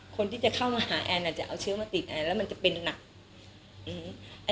คนที่จะเข้ามาหาแอนอาจจะเอาเชื้อมาติดแอนแล้วมันจะเป็นหนักอืม